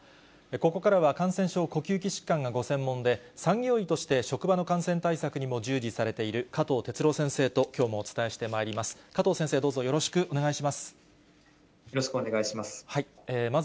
ここからは感染症呼吸器疾患がご専門で、産業医として職場の感染対策にも従事されている、加藤哲朗先生ときょうもお伝えしてまいります。